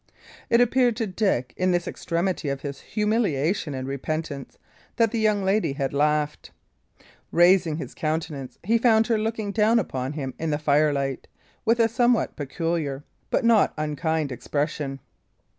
It appeared to Dick, in this extremity of his humiliation and repentance, that the young lady had laughed. Raising his countenance, he found her looking down upon him, in the fire light, with a somewhat peculiar but not unkind expression.